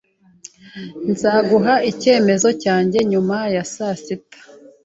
Nzaguha icyemezo cyanjye nyuma ya saa sita.